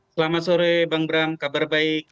selamat sore bang bram kabar baik